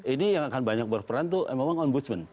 ini yang akan banyak berperan itu memang om budsman